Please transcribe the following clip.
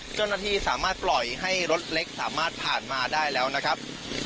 เจ้าหน้าที่สามารถปล่อยให้รถเล็กสามารถผ่านมาได้แล้วนะครับ